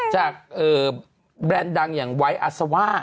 แบรนด์ดังอย่างไวท์อาซาว่า